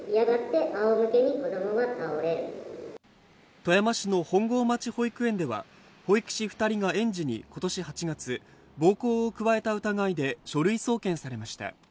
富山市の本郷町保育園では、保育士２人が園児に今年８月、暴行を加えた疑いで書類送検されました。